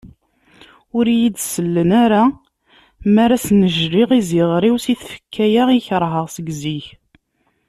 Ur iyi-d-sellen ara mi ara snejliɣ iziɣer-iw si tfekka-ya i kerheɣ seg zik.